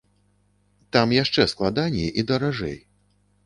Там яшчэ складаней і даражэй.